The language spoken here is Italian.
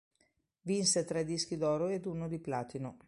Vinse tre dischi d'oro ed uno di platino.